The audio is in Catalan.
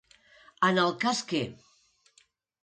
En el cas que.